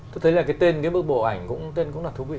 tôi thấy là cái tên cái bức bộ ảnh cũng là thú vị